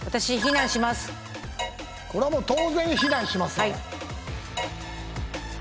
これもう当然避難しますね。